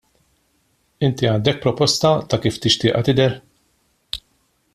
Inti għandek proposta ta' kif tixtieqha tidher?